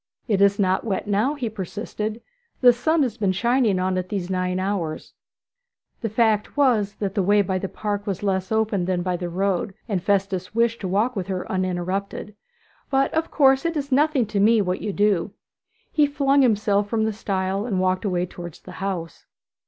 'It is not wet now,' he persisted; 'the sun has been shining on it these nine hours.' The fact was that the way by the path was less open than by the road, and Festus wished to walk with her uninterrupted. 'But, of course, it is nothing to me what you do.' He flung himself from the stile and walked away towards the house.